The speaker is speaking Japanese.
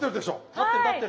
立ってる立ってる。